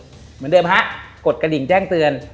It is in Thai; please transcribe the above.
เหมือนเดิมฮะกดกระดิ่งแจ้งเตือน